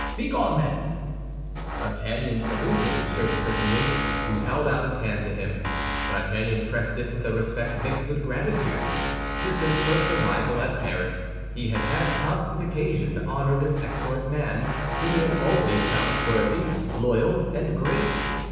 Begone, then!" D'Artagnan saluted M. de Tréville, who held out his hand to him; D'Artagnan pressed it with a respect mixed with gratitude. Since his first arrival at Paris, he had had constant occasion to honor this excellent man, whom he had always found worthy, loyal, and great.